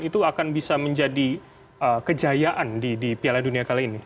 itu akan bisa menjadi kejayaan di piala dunia kali ini